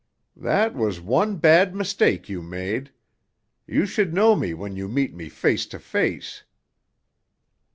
"That was one bad mistake you made. You should know me when you meet me face to face."